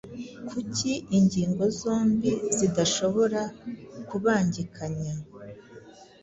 Kuki ingingo zombi zidashobora kubangikanya